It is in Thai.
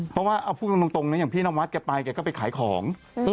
เพราะว่าเอาพูดตรงนะอย่างพี่นวัดแกไปแกก็ไปขายของ